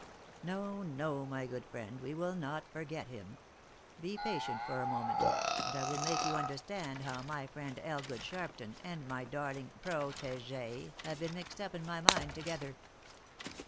" No, no, my good friend, we will not forget him. Be patient for a moment, and I will make you understand how my friend Elgood Sharpton, and my darling protege have been mixed up in my mind together.